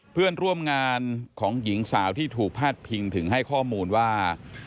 เพื่อนร่วมงานของหญิงสาวที่ถูกพาดพิงถึงให้ข้อมูลว่า